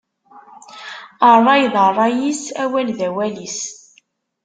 Ṛṛay d ṛṛay-is, awal d awal-is.